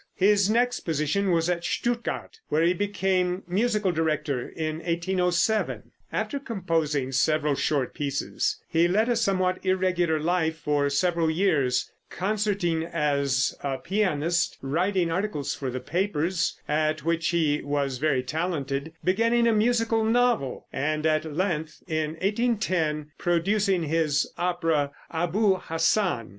His next position was at Stuttgart, where he became musical director in 1807. After composing several short pieces, he led a somewhat irregular life for several years, concerting as a pianist, writing articles for the papers, at which he was very talented, beginning a musical novel, and at length, in 1810, producing his opera "Abou Hassan."